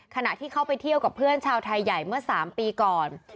ขณะที่เข้าไปเที่ยวกับเพื่อนชาวไทยใหญ่เมื่อ๓ปีก่อน